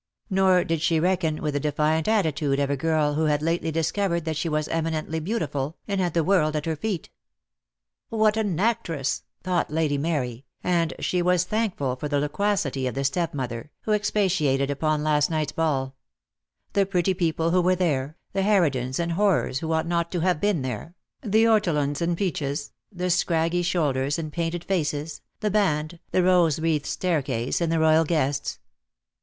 Nor did she reckon with the defiant attitude of a girl who had lately discovered that she was eminently beautiful, and had the world at her feet. "What an actress," thought Lady Mary, and she was thankful for the loquacity of the step mother, who expatiated upon last night's ball: the pretty people who were there, the harridans and horrors who ought not to have been there, the ortolans and peaches, the scraggy shoulders and painted faces, the band, the rose wreathed staircase and the royal guests.